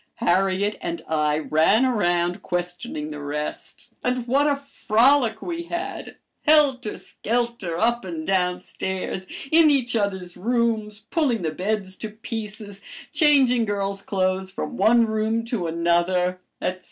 Harriet and I ran around questioning the rest, and what a frolic we had, helter skelter, up and down stairs, in each other's rooms, pulling the beds to pieces, changing girls' clothes from one room to another, etc.